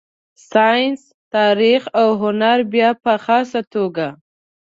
ساینس، تاریخ او هنر بیا په خاصه توګه.